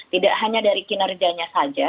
tidak hanya dari kinerjanya saja